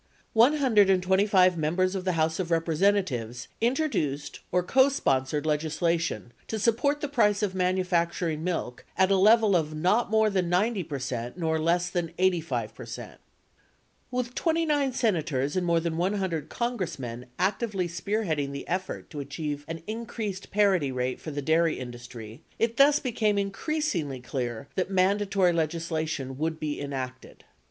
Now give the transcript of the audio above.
One Hundred and twenty five Members of the House of Representatives introduced or cosponsored legislation to support the price of manufacturing milk at a level or not more than 90 percent nor less than 85 percent. With 29 Senators and more than 100 Congressmen actively spearheading the effort to achieve an increased parity rate for the dairy industry, it thus became increasingly clear that mandatory legislation would be enacted (Emphasis in original.)